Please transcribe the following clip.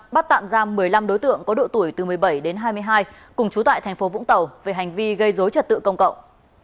bắt tạm ra một mươi năm đối tượng có độ tuổi từ một mươi bảy đến hai mươi hai cùng chú tại tp vũng tàu về hành vi gây dối trật tự công cộng